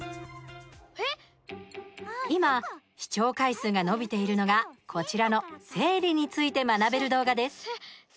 今、視聴回数が伸びているのがこちらの生理について学べる動画です。